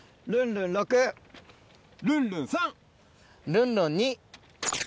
ルンルン２！